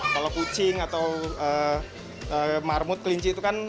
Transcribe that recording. kalau kucing atau marmut kelinci itu kan